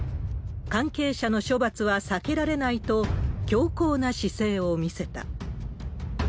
関係者の処罰は避けられないと、強硬な姿勢を見せた。